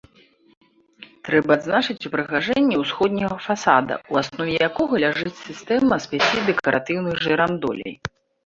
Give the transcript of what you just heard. Трэба адзначыць упрыгажэнне ўсходняга фасада, у аснове якога ляжыць сістэма з пяці дэкаратыўных жырандолей.